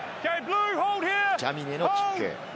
ジャミネのキック。